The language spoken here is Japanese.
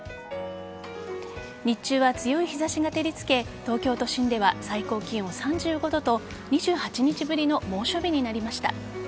日中は強い日差しが照りつけ東京都心では最高気温３５度と２８日ぶりの猛暑日になりました。